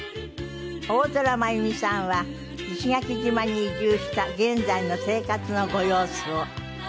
大空眞弓さんは石垣島に移住した現在の生活のご様子を。